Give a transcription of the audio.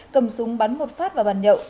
cầm súng bắn một phát vào bàn nhậu